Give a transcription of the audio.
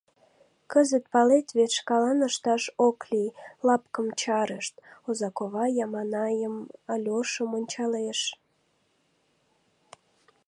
Кызыт, палет вет, шкалан ышташ ок лий, лапкым чарышт... — озакува Яманайым, Альошым ончалеш.